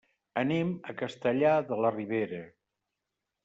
Anem a Castellar de la Ribera.